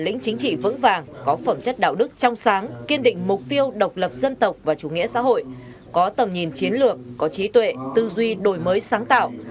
lĩnh chính trị vững vàng có phẩm chất đạo đức trong sáng kiên định mục tiêu độc lập dân tộc và chủ nghĩa xã hội có tầm nhìn chiến lược có trí tuệ tư duy đổi mới sáng tạo